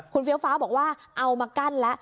คุณเฟี้ยวฟ้าบอกว่าเอามากั้นแล้ว